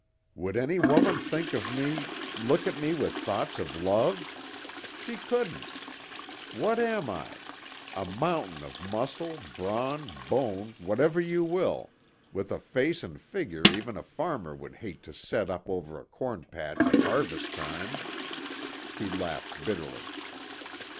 "Would any woman think of me look at me with thoughts of love? She couldn't. What am I? A mountain of muscle, brawn, bone, whatever you will, with a face and figure even a farmer would hate to set up over a corn patch at harvest time." He laughed bitterly.